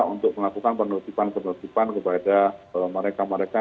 untuk melakukan penertiban penertiban kepada mereka mereka